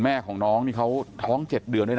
พี่สาวอายุ๗ขวบก็ดูแลน้องดีเหลือเกิน